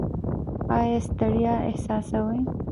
ایا ستړیا احساسوئ؟